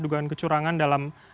dugaan kecurangan dalam